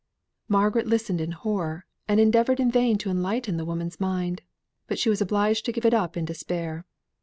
Margaret listened in horror; and endeavoured in vain to enlighten the woman's mind; but she was obliged to give it up in despair.